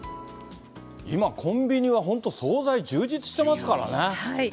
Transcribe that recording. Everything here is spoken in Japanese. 今、コンビニは本当、総菜充実してますからね。